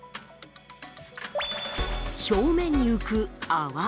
表面に浮く泡